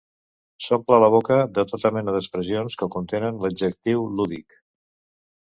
S'omple la boca de tota mena d'expressions que contenen l'adjectiu lúdic.